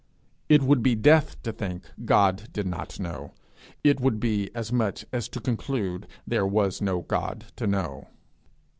It would be death to think God did not know; it would be as much as to conclude there was no God to know.